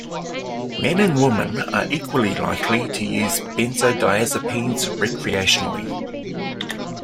Men and women are equally likely to use benzodiazepines recreationally.